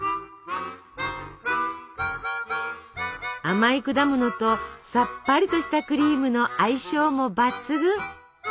甘い果物とさっぱりとしたクリームの相性も抜群。